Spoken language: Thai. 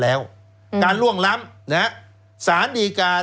แล้วเขาก็ใช้วิธีการเหมือนกับในการ์ตูน